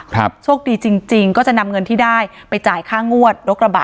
โชคดีจริงจริงก็จะนำเงินที่ได้ไปจ่ายค่างวดรถกระบะ